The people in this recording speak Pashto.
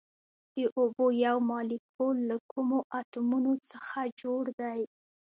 د اوبو یو مالیکول له کومو اتومونو څخه جوړ دی